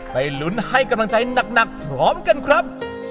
ลุ้นให้กำลังใจหนักพร้อมกันครับ